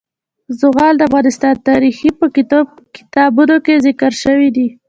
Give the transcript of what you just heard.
زغال د افغان تاریخ په کتابونو کې ذکر شوی دي.